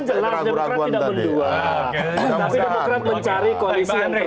tapi demokrat mencari kondisi yang terbaik